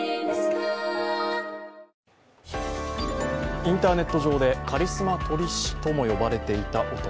インターネット上でカリスマ撮り師とも呼ばれていた男。